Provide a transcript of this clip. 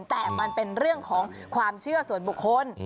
แต่มันเป็นเรื่องของความเชื่อส่วนบุคคล